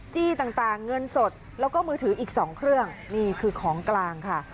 จี้ต่างเงินสดแล้วก็มือถืออีก๒เครื่องนี่คือของกลางค่ะ